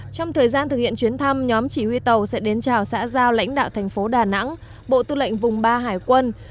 trong thời gian thực hiện chuyến thăm nhóm chỉ huy tàu sẽ đến chào xã giao lãnh đạo thành phố đà nẵng bộ tư lệnh vùng ba hải quân